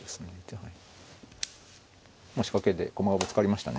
もう仕掛けで駒がぶつかりましたね。